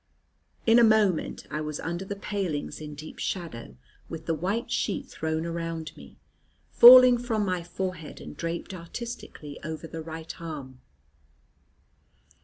In a moment I was under the palings in deep shadow, with the white sheet thrown around me, falling from my forehead, and draped artistically over the right arm.